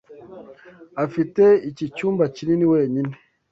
Afite iki cyumba kinini wenyine.